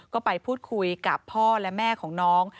ก็ไปพูดคุยกับพ่อและแม่ของน้อง